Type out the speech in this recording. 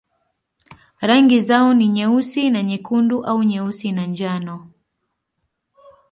Rangi zao ni nyeusi na nyekundu au nyeusi na njano.